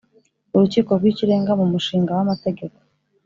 urukiko rw Ikirenga m umushinga w amategeko